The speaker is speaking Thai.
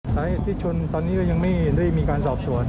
สายอาทิตย์ชนตอนนี้ยังไม่ได้มีการสอบสวน